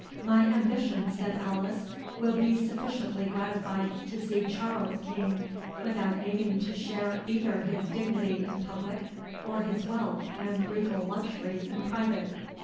"My ambition," said Alice, "will be sufficiently gratified to see Charles king, without aiming to share either his dignity in public, or his wealth and regal luxury in private."